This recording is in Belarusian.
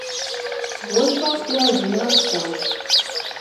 Вось вам і адзін раскол.